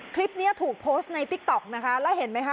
คลิปนี้ถูกโพสต์ในติ๊กต๊อกนะคะแล้วเห็นไหมคะ